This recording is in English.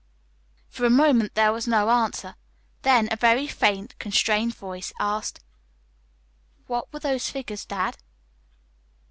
For a moment there was no answer; then a very faint, constrained voice asked: "What were those figures, dad?"